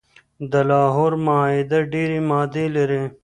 د لاهور معاهده ډیري مادي لري.